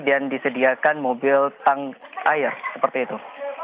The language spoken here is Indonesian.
dan disediakan mobil tank air seperti itu